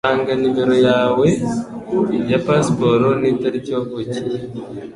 Tanga numero yawe ya pasiporo nitariki wavukiye.